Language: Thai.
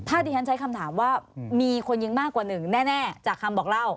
ถ้าที่ฉันใช้คำถามว่ามีคนยิงมากกว่าหนึ่งแน่จากคำบอกเล่า